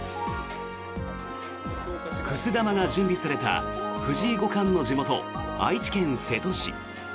くす玉が準備された藤井五冠の地元・愛知県瀬戸市。